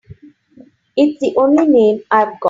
It's the only name I've got.